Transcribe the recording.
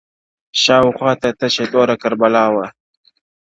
• شاوخواته تشه توره کربلا وه -